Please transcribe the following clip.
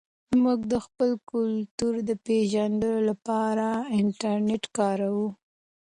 موږ د خپل کلتور د پېژندلو لپاره انټرنیټ کاروو.